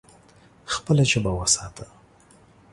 خپله ژبه وساته.